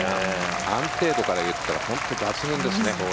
安定度から言ったら本当に抜群ですね。